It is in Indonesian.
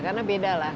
karena beda lah